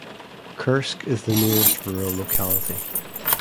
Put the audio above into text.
Kursk is the nearest rural locality.